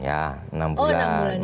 oh enam bulan